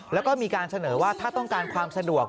แล้วก็มีการเสนอว่าถ้าต้องการความสะดวก